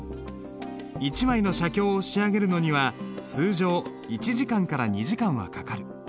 一枚の写経を仕上げるのには通常１時間から２時間はかかる。